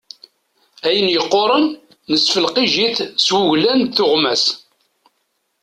Ayen yeqquṛen, nesfelqij-it s wuglan d tuɣmas.